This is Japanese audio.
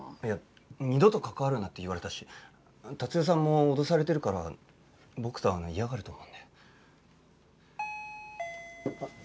いや二度と関わるなって言われたし達代さんも脅されてるから僕と会うの嫌がると思うんで。